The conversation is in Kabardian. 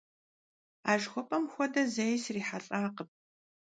А жыхуэпӀэхэм хуэдэ зэи срихьэлӀакъым.